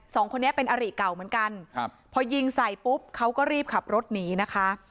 สองคนนี้เป็นอริเก่าเหมือนกันครับพอยิงใส่ปุ๊บเขาก็รีบขับรถหนีนะคะ